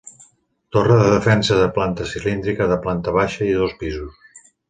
Torre de defensa de planta cilíndrica de planta baixa i dos pisos.